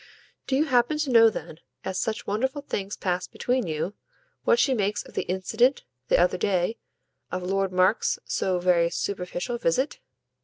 "Do you happen to know then, as such wonderful things pass between you, what she makes of the incident, the other day, of Lord Mark's so very superficial visit?